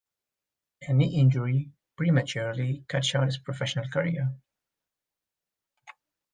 A knee injury prematurely cut short his professional career.